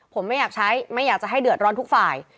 ผมไม่อยากใช้ไม่อยากจะให้เดือดร้อนทุกฝ่าย